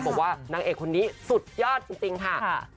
บอกว่านางเอกคนนี้สุดยอดจริงค่ะ